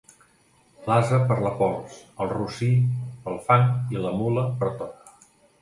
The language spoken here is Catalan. L'ase per la pols, el rossí pel fang i la mula per tot.